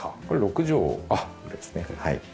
これ６畳ですね。